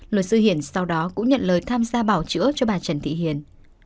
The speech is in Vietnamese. luật sư hiển sau đó cũng nhận lời tham gia bảo chữa cho bà trần thị hiền